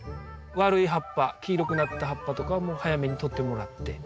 悪い葉っぱ黄色くなった葉っぱとかはもう早めにとってもらって。